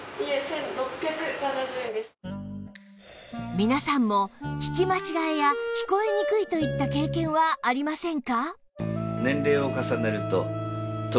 皆さんも聞き間違えや聞こえにくいといった経験はありませんか？